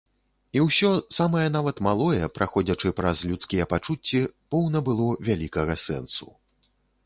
І ўсё, самае нават малое, праходзячы праз людскія пачуцці, поўна было вялікага сэнсу.